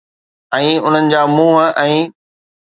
۽ انهن جا منهن ۽